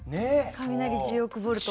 雷１０億ボルト。